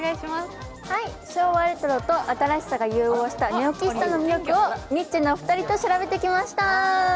昭和レトロと新しさが融合したネオ喫茶の魅力をニッチェのお二人と調べてきました。